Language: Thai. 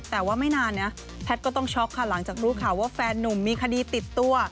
แต่ไม่นานแพทย์ก็ต้องโชคหลังจากรู้ข่าวว่าแฟนหนุ่มมีคดีติดตัว